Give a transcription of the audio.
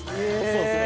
そうですね。